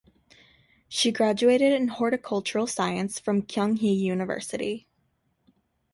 She graduated in Horticultural Science from Kyung Hee University.